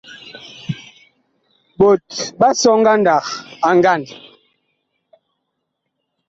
Ɓot ɓa sɔ ngandag a ngand.